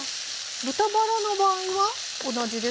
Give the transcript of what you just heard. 豚バラの場合は同じですか？